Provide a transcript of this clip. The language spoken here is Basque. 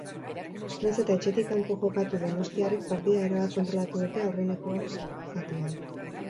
Nahiz eta etxetik kanpo jokatu donostiarrek partida erabat kontrolatu dute aurreneko zatian.